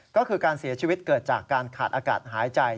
ก็คือการเสียชีวิตเกิดจากการขาดอากาศหายใจ